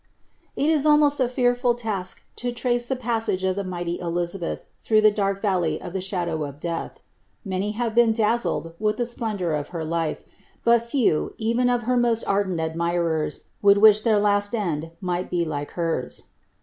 It is almost a fearful task to trace the passage of the mighty Elizabeth through the " dark valley of ihe shadow of death." Many have been dazzk d with the splendour of her life, but few, even of her most ardeot admirers, would wish their last vnd might be like hers.